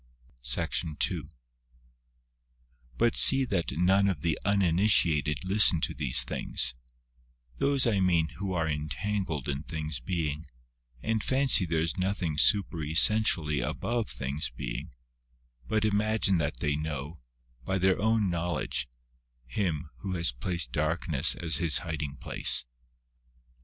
Dionysius the Areopagite, &c. 1 3 1 SECTION II. But see that none of the uninitiated listen to these things those I mean who are entangled in things being, and fancy there is nothing superessentially above things being, but imagine that they kno\v, by their own knowledge, Him, Who has placed dark ness as His hiding place.